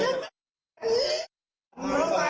เอือกะติร้าย